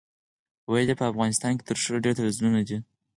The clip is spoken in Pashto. ویل یې په افغانستان کې تر شلو ډېر تلویزیونونه دي.